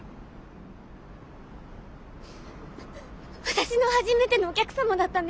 私の初めてのお客様だったんです。